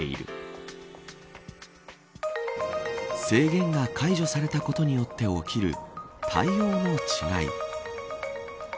制限が解除されたことによって起きる対応の違い。